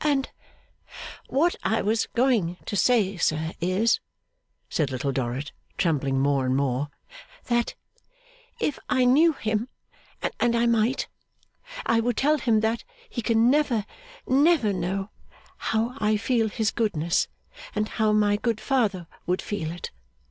'And what I was going to say, sir, is,' said Little Dorrit, trembling more and more, 'that if I knew him, and I might, I would tell him that he can never, never know how I feel his goodness, and how my good father would feel it.